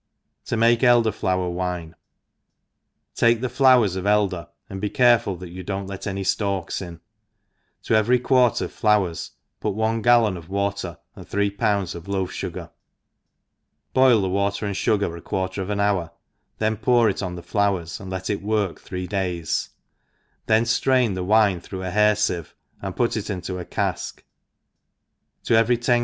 To make Elder Flower WinBi^ TAKE the flowers of elder, and be carcftil that you do not let any ftalks in, to every quart of flowers put one gallon of water and three pounds of loaf fugar, boil the water and fugar a quar * ter of an hour, then pour it on the flowers, and let ENGLISH HOUSE KEEPER. 327 let it work three days^then drain thewinetbrougK a hair fieve^ and put it into a cafk^ ; to every ten.